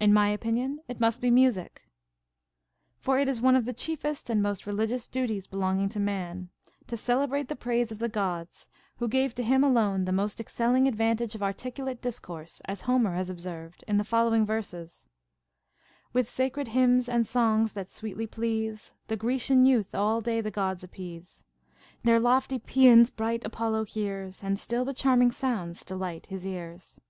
In my opinion, it must be music. For it is one of the chiefest and most religious duties belonging to man, to celebrate the praise of the Gods, who gave to him alone the most excelling advantage of articulate discourse, as Homer has observed in the following verses :— With sacred liymns and songs that s\veetly please, The Grecian youth all day tlie Gods appease ; Their lofty paeans bright Apollo hears, And still the charming sounds delight liis ears.